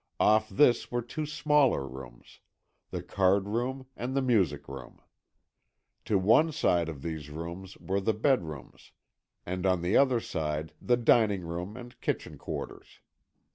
Off this were two smaller rooms: the card room and the music room. To one side of these rooms were the bedrooms, and on the other side, the dining room and kitchen quarters.